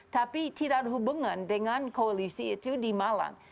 tapi tidak ada hubungan dengan koalisi itu di malang